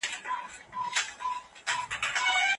د بندیانو خلاصون وغواړئ.